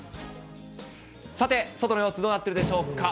さて、外の様子どうなってるでしょうか。